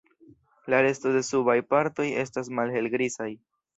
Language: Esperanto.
La resto de subaj partoj estas malhelgrizaj.